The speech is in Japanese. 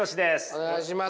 お願いします。